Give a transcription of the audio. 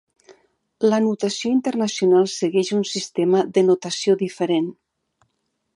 La notació internacional segueix un sistema de notació diferent.